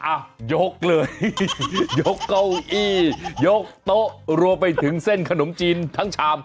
อ่ะยกเลยยกเก้าอี้ยกโต๊ะรวมไปถึงเส้นขนมจีนทั้งชาม